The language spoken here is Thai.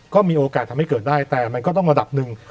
ก็มีโอกาสทำให้เกิดได้แต่มันก็ต้องระดับหนึ่ง